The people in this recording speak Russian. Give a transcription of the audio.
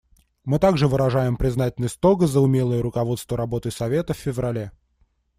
Мы также выражаем признательность Того за умелое руководство работой Совета в феврале.